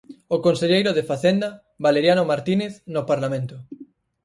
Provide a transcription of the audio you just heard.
O conselleiro de Facenda, Valeriano Martínez, no Parlamento.